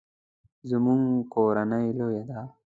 زموږ کورنۍ لویه ده